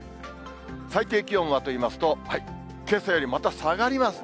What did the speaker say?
最低気温はといいますと、けさよりもまた下がりますね。